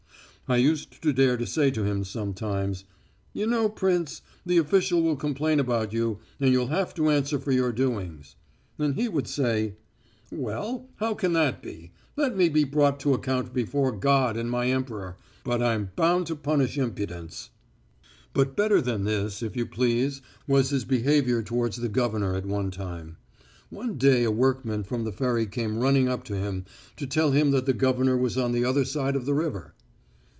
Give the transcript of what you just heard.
I used to dare to say to him sometimes, "You know, prince, the official will complain about you, and you'll have to answer for your doings." And he would say: "Well, how can that be? Let me be brought to account before God and my Emperor, but I'm bound to punish impudence." But better than this, if you please, was his behaviour towards the Governor at one time. One day a workman from the ferry came running up to him to tell him that the Governor was on the other side of the river.